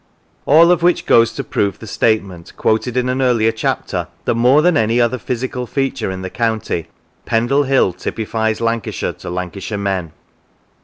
All of which goes to prove the statement, quoted in an earlier chapter, that more than any other physical feature in the county, Pendle Hill typifies Lancashire to Lancashire men.